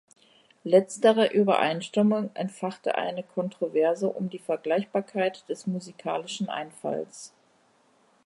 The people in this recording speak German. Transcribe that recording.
Letztere Übereinstimmung entfachte eine Kontroverse um die Vergleichbarkeit des musikalischen Einfalls.